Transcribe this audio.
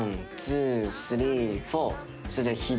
それで左。